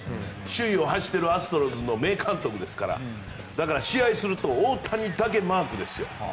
首位を走っているアストロズの名監督ですからだから試合すると大谷だけマークですよ。